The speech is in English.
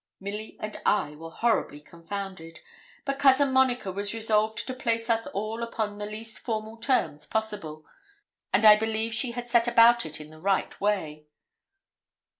"' Milly and I were horribly confounded, but Cousin Monica was resolved to place us all upon the least formal terms possible, and I believe she had set about it in the right way.